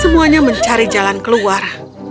semuanya mencari jalan keluar